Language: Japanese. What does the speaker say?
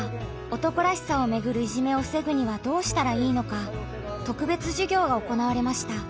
「男らしさ」をめぐるいじめを防ぐにはどうしたらいいのか特別授業が行われました。